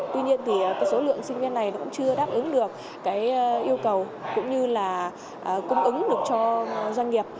tuy nhiên thì cái số lượng sinh viên này cũng chưa đáp ứng được cái yêu cầu cũng như là cung ứng được cho doanh nghiệp